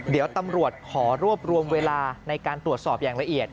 เดี๋ยวตำรวจขอรวบรวมเวลาในการตรวจสอบอย่างละเอียด